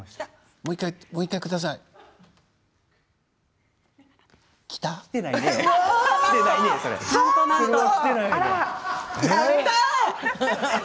もう１回くださいきた？